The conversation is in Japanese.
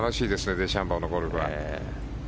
デシャンボーのゴルフは。